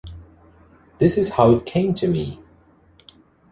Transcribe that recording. This is how it came to me...